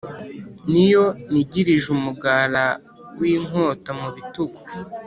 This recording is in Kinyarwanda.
n’iyo nigirije umugara w’inkota mu bitugu